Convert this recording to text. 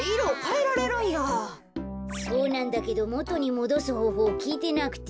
そうなんだけどもとにもどすほうほうをきいてなくて。